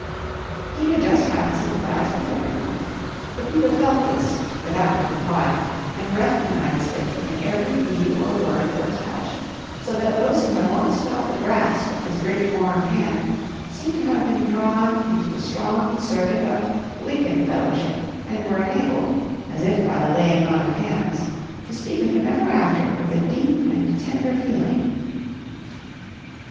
He knew just how to sympathize with every one. The people felt this, without knowing why, and recognized it in every deed or word or touch, so that those who have once felt the grasp of his great warm hand seem to have been drawn into the strong circuit of "Lincoln fellowship," and were enabled, as if by "the laying on of hands," to speak of him ever after with a deep and tender feeling.